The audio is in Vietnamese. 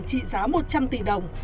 trị giá một trăm linh tỷ đồng